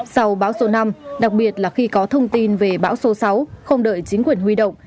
sau bão số năm đặc biệt là khi có thông tin về bão số sáu không đợi chính quyền huy động